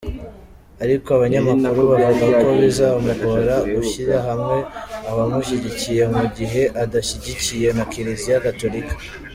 Ariko abanyamakuru bavuga ko bizamugora gushyira hamwe abamushyigikiye mu gihe adashyigikiwe na kiliziya gatolika.